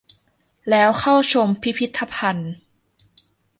แล้วเข้าชมพิพิธภัณฑ์